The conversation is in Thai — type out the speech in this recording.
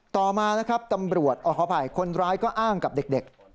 ต่อมานะครับตำรวจขออภัยคนร้ายก็อ้างกับเด็ก